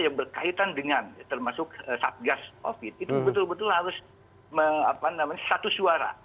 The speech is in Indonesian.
yang berkaitan dengan termasuk satgas covid itu betul betul harus satu suara